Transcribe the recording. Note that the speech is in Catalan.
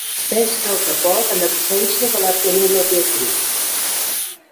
Pesca el que pot en absència de la Penèlope Cruz.